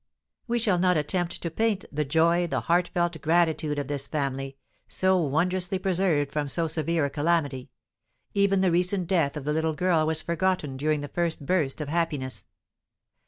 We shall not attempt to paint the joy, the heartfelt gratitude of this family, so wondrously preserved from so severe a calamity; even the recent death of the little girl was forgotten during the first burst of happiness.